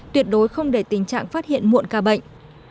tuyệt đối không để tình trạng phát hiện muộn ca bệnh